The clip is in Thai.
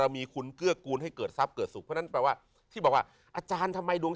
มีคุณเกื้อกูลให้เกิดทรัพย์เกิดสุขเพราะฉะนั้นแปลว่าที่บอกว่าอาจารย์ทำไมดวง